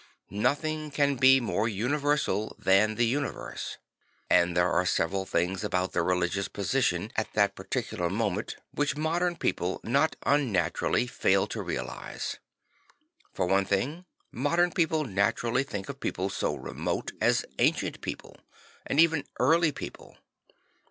Nothing can be more universal than the universe. And there are several things about the religious position at that particular moment which modem people not unnaturally fail to realise. For one thing, modern people naturally think of people so remote as ancient people, and even early people.